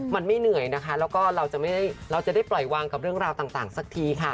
มันไม่เหนื่อยนะคะแล้วก็เราจะได้ปล่อยวางกับเรื่องราวต่างสักทีค่ะ